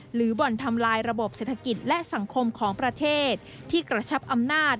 บ่อนทำลายระบบเศรษฐกิจและสังคมของประเทศที่กระชับอำนาจ